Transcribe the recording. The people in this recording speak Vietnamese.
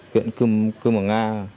huyện cư mơ nga